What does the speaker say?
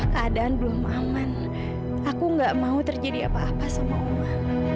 keadaan belum aman aku gak mau terjadi apa apa sama allah